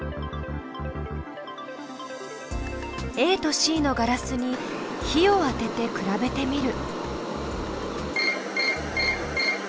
ＡとＣのガラスに火を当てて比べてみる。